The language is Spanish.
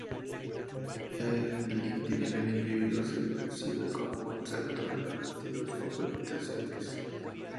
En el individuo se percibe como un "salto" en los latidos o palpitaciones.